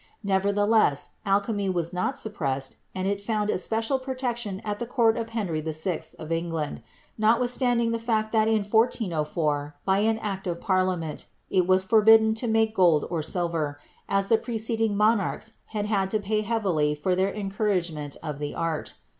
Nevertheless alchemy was not suppressed and it found especial protection at the court of Henry VI. of England, notwithstanding the fact that in 1404, by an Act of Parliament, it was forbidden to make gold or silver, as the preceding monarchs had had to pay heavily for their encouragement of the art.